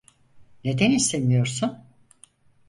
Neden istemiyorsun?